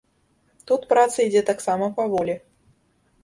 Тут праца ідзе таксама паволі.